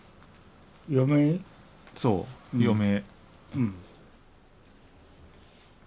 そう余命。